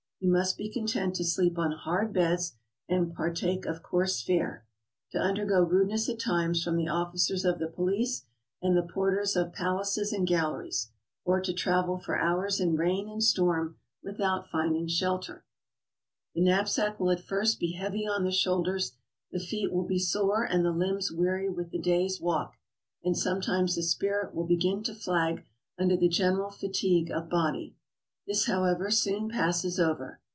He must be conitent to sleep on hard beds, and partake of coarse fare; to undergo rudeness at times from the officers of the police and the porters of palaces and galleries; or to travel for hours in rain and storm without finding shelter. The 8o GOING ABROAD? knapsack will at first be heavy on the shoulders, the feet will be sore and the limbs weary with the day's walk, and some times the spirit will begin to flag under the general fatigue of body. This, however, soon passes over.